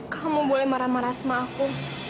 kamu boleh marah marah sama aku